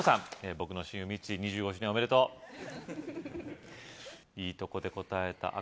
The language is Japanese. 僕の親友・ミッチー２５周年おめでとういいとこで答えた赤何番？